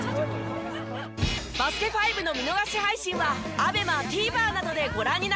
『バスケ☆ＦＩＶＥ』の見逃し配信はＡＢＥＭＡＴＶｅｒなどでご覧になれます。